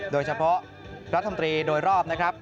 โดยเฉพาะรัฐมนตรีโดยรอบนะครับ